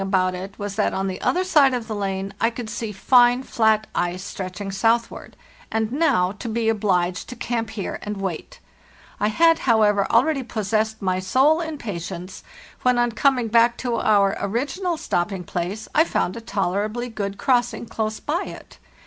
A HARD STRUGGLE 185 it was that on the other side of the lane I could see fine flat ice stretching southward—and_ now to be obliged to camp here and wait! I had, however, already possessed my soul in patience, when, on coming back to our original stopping place, I found a tolerably good crossing close by it.